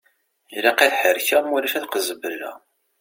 Ilaq ad ḥerrekeɣ mulac ad qezbeleɣ!